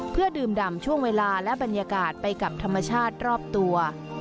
เพื่อดื่มดำช่วงเวลาและบรรยากาศไปกับธรรมชาติรอบตัว